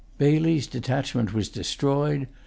Baillie's detachment was destroyed.